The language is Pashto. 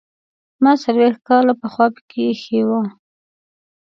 ما څلوېښت کاله پخوا پکې ایښې وې.